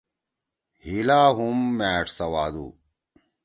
ہیِلا ہُم مأݜ سوادُو۔